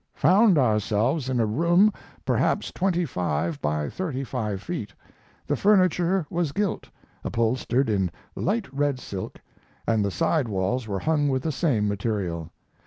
] found ourselves in a room perhaps twenty five by thirty five feet; the furniture was gilt, upholstered in light red silk, and the side walls were hung with the same material.